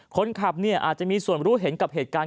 คนขับอาจจะมีส่วนรู้เห็นกับเหตุการณ์